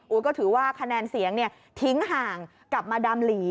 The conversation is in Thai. ก็ถือว่าคะแนนเสียงทิ้งห่างกลับมาดามหลี